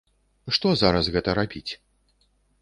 Што зараз гэта рабіць?